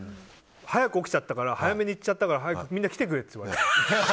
早く起きちゃったから早めに行っちゃったからみんな来てくれって。